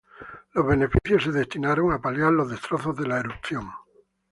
Los beneficios se destinaron a paliar los destrozos de la erupción.